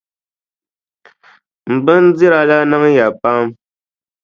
M bindira la niŋya pam.